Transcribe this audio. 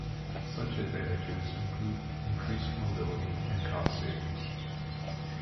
Such advantages include increased mobility and cost savings.